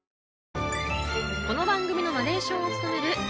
この番組のナレーションを務める